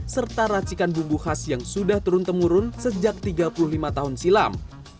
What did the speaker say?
serta racikan bumbu khas yang sudah turun temurun sejak tiga puluh lima tahun silam